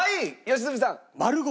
良純さん。